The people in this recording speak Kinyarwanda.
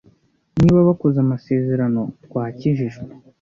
Niba bakoze amasezerano, twakijijwe.